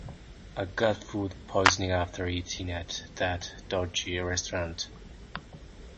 I got food poisoning after eating at that dodgy restaurant.